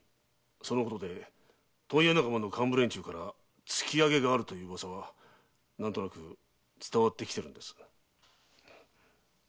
そのことで問屋仲間の幹部連中から突き上げがあるという噂は何となく伝わってきてるんですよ。